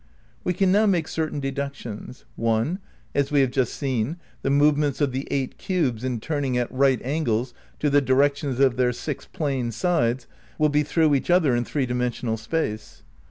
We can now make certain deductions: 1. (As we have just seen) the movements of the eight cubes in turning at right angles to the directions of their six plane sides will be through each other in three dimen sional space.